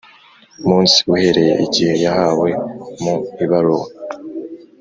munsi uhereye igihe yahawe mu ibaruwa